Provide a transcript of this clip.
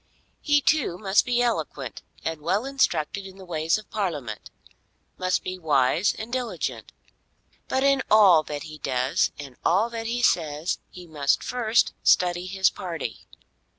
He too must be eloquent and well instructed in the ways of Parliament, must be wise and diligent; but in all that he does and all that he says he must first study his party.